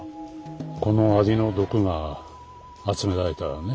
このアリの毒が集められたらね。